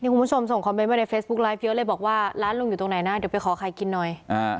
คุณผู้ชมส่งคอมเมนต์มาในเฟซบุ๊คไลฟ์เยอะเลยบอกว่าร้านลุงอยู่ตรงไหนนะเดี๋ยวไปขอไข่กินหน่อย